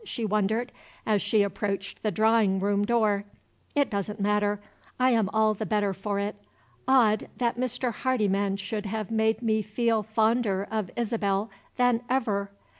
she wondered, as she approached the drawing room door. "It doesn't matter. I am all the better for it. Odd, that Mr. Hardyman should have made me feel fonder of Isabel than ever!"